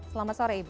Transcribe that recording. selamat sore ibu